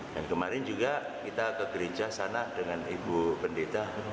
kemarin juga kita ke gereja sana dengan ibu pendeta